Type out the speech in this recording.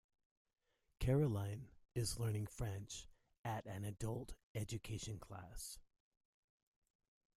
Caroline is learning French at an adult education class